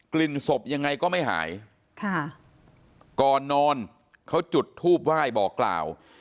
ลิ่นศพยังไงก็ไม่หายค่ะก่อนนอนเขาจุดทูบไหว้บอกกล่าว